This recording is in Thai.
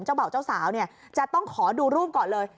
เจ้าบ่าวเจ้าสาวจะต้องขอดูรูปก่อนเลย